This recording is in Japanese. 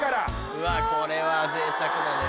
うわこれはぜいたくだね。